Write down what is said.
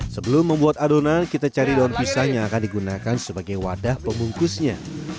sebelum membuat adonan kita cari daun pisang yang akan digunakan sebagai wadah pembungkusnya